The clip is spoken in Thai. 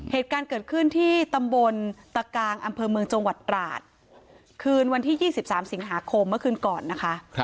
เหตุการณ์เกิดขึ้นที่ตำบลตะกางอำเภอเมืองจังหวัดตราดคืนวันที่๒๓สิงหาคมเมื่อคืนก่อนนะคะ